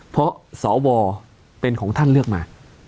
เพราะสวเป็นของท่านเลือกมา